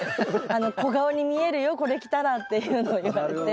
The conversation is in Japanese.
「小顔に見えるよこれ着たら」っていうのを言われて。